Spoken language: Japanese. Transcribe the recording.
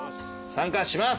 参加します。